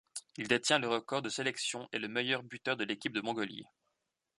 Il détient le record de sélections et le meilleur buteur de l'équipe de Mongolie.